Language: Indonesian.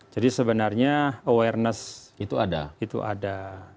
jadi sebenarnya awareness itu ada